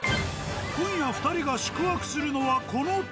今夜２人が宿泊するのはこの棟。